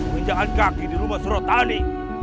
menjaga kaki di rumah surotani